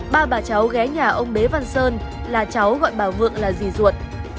ba bà cháu ghé nhà ông bé văn sơn là cháu gọi bà vượng là dì ruột